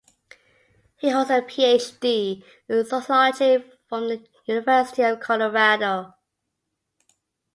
He holds a Ph.D. in Sociology from the University of Colorado.